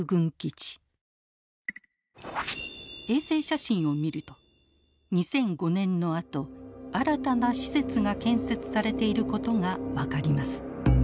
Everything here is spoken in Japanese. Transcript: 衛星写真を見ると２００５年のあと新たな施設が建設されていることが分かります。